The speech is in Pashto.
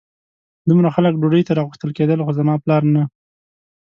دومره خلک ډوډۍ ته راغوښتل کېدل خو زما پلار نه.